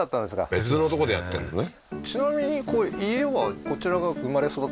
別のとこでやってんだね